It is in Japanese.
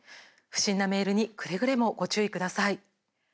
不審なメールにくれぐれもご注意ください。